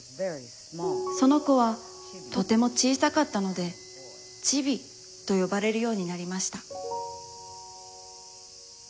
その子は、とてもちいさかったので、ちびとよばれるようになりました。